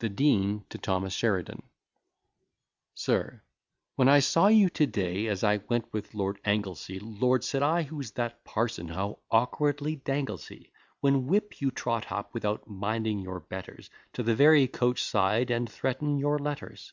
THE DEAN TO THOMAS SHERIDAN SIR, When I saw you to day, as I went with Lord Anglesey, Lord, said I, who's that parson, how awkwardly dangles he! When whip you trot up, without minding your betters, To the very coach side, and threaten your letters.